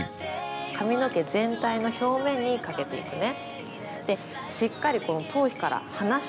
髪の毛全体の表面にかけていくね。